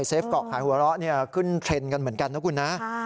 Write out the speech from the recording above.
เกาะขายหัวเราะขึ้นเทรนด์กันเหมือนกันนะคุณนะ